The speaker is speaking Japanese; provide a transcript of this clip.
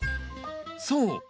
そう。